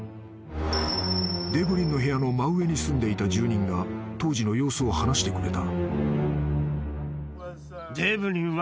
［デブリンの部屋の真上に住んでいた住人が当時の様子を話してくれた］